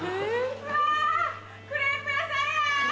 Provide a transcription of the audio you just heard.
うわクレープ屋さんや！